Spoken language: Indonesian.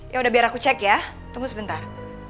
yaudah biar aku cek ya tunggu sebentar